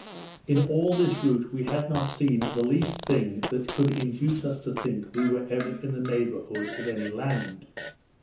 In all this route we had not seen the least thing that could induce us to think we were ever in the neighbourhood of any land.